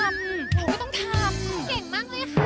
เก่งมากเลยค่ะ